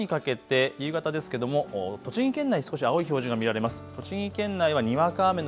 夜にかけて夕方ですけれども栃木県、青い表示が見られます。